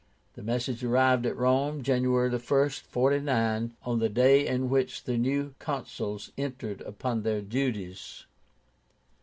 The messenger arrived at Rome, January 1, 49, on the day in which the new Consuls entered upon their duties.